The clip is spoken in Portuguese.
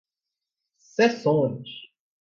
sessões